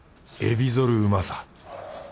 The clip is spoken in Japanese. エビ反るうまさ。